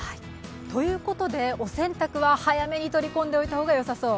ということでお洗濯は早めに取り込んでおいた方がよさそう。